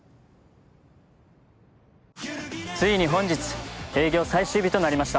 ついに本日営業最終日となりました。